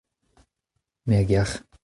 me a gelc'h.